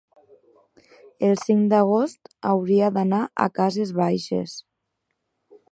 El cinc d'agost hauria d'anar a Cases Baixes.